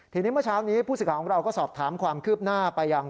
ทีนี้เมื่อเช้านี้ผู้สื่อข่าวของเราก็สอบถามความคืบหน้าไปยัง